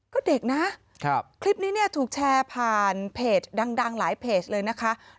ก็เด็กนะคลิปนี้เนี่ยถูกแชร์ผ่านเพจดังหลายเพจเลยนะคะ